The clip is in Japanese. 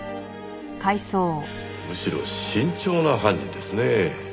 むしろ慎重な犯人ですね。